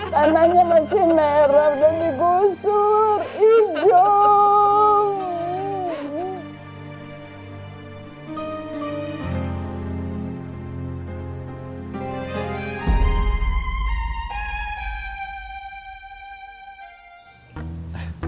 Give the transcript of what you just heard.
tanahnya masih merah